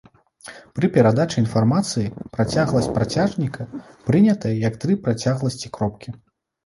Пры перадачы інфармацыі працягласць працяжніка прынятая як тры працягласці кропкі.